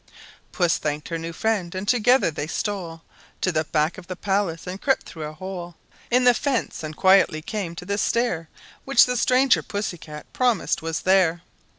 Puss thanked her new friend, and together they stole To the back of the palace, and crept through a hole In the fence, and quietly came to the stair Which the stranger Pussy cat promised was there.